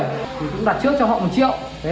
cũng đặt trước cho họ một triệu